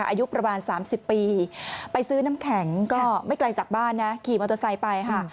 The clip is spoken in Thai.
อายุประมาณ๓๐ปีไปซื้อน้ำแข็งก็ไม่ไกลจากบ้านนะขี่มอเตอร์ไซค์ไปค่ะ